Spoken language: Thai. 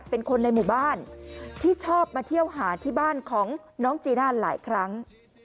เป็นคนในหมู่บ้านที่ชอบมาเที่ยวหาที่บ้านของน้องจีน่าหลายครั้ง